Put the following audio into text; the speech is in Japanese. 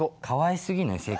かわいすぎない？